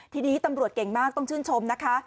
ทีนี้ตำรวจเก่งมากต้องชื่นชมนะคะ